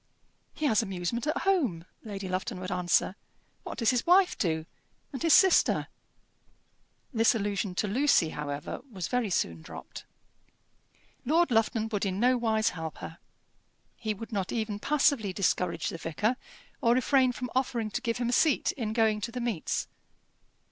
"He has amusement at home," Lady Lufton would answer. "What does his wife do and his sister?" This allusion to Lucy, however, was very soon dropped. Lord Lufton would in no wise help her. He would not even passively discourage the vicar, or refrain from offering to give him a seat in going to the meets.